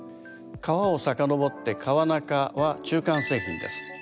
川をさかのぼって川中は中間製品です。